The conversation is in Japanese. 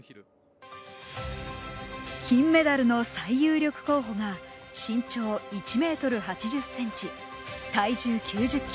金メダルの最有力候補が身長１ｍ８０ｃｍ、体重９０ｋｇ。